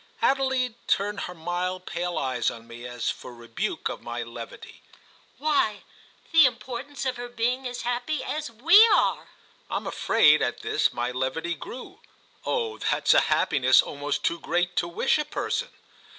Adelaide turned her mild pale eyes on me as for rebuke of my levity. "Why the importance of her being as happy as we are!" I'm afraid that at this my levity grew. "Oh that's a happiness almost too great to wish a person!"